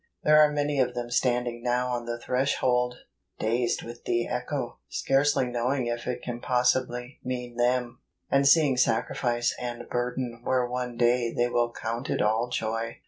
There are many of them standing now on the thresh¬ old, dazed with the echo, scarcely knowing if it can possibly mean them, and seeing sacrifice and burden where one day they will " count it all joy."